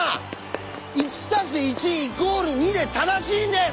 「１＋１＝２」で正しいんです！